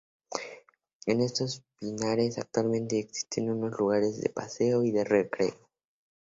En estos pinares actualmente existen unos lugares de paseo y de recreo.